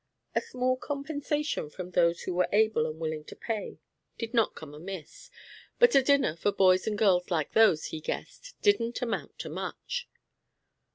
A small compensation from those who were able and willing to pay, did not come amiss, but a dinner for boys and girls like those, he guessed, didn't amount to much.